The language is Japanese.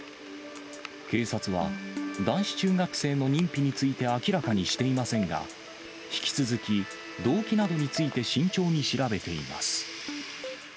警察は男子中学生の認否について明らかにしていませんが、引き続き動機などについて慎重に調べています。